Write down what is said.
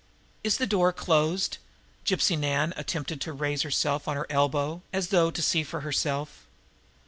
"Is the door closed?" Gypsy Nan attempted to raise herself on her elbow, as though to see for herself.